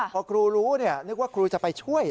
พอครูรู้นึกว่าครูจะไปช่วย